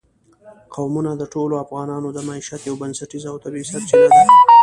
قومونه د ټولو افغانانو د معیشت یوه بنسټیزه او طبیعي سرچینه ده.